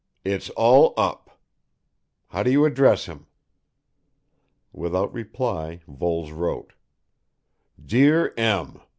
'It's all up' how do you address him?" Without reply Voles wrote. "Dear M.